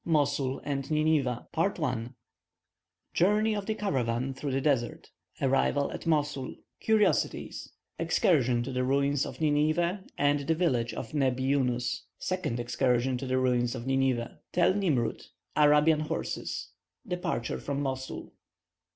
MOSUL AND NINEVEH. JOURNEY OF THE CARAVAN THROUGH THE DESERT ARRIVAL AT MOSUL CURIOSITIES EXCURSION TO THE RUINS OF NINEVEH AND THE VILLAGE OF NEBBI YUNUS SECOND EXCURSION TO THE RUINS OF NINEVEH TEL NIMROUD ARABIAN HORSES DEPARTURE FROM MOSUL.